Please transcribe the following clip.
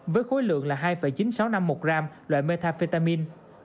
với khối lượng là hai chín nghìn sáu trăm năm mươi một gram loại metafetamin